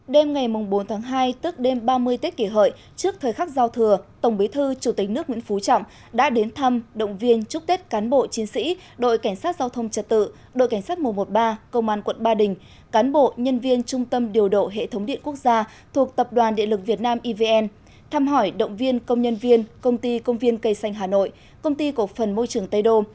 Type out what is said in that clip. đêm ngày bốn tháng hai tức đêm ba mươi tết kỷ hợi trước thời khắc giao thừa tổng bí thư chủ tịch nước nguyễn phú trọng đã đến thăm động viên chúc tết cán bộ chiến sĩ đội cảnh sát giao thông trật tự đội cảnh sát mùa một ba công an quận ba đình cán bộ nhân viên trung tâm điều độ hệ thống điện quốc gia thuộc tập đoàn địa lực việt nam ivn thăm hỏi động viên công nhân viên công ty công viên cây xanh hà nội công ty cổ phần môi trường tây đô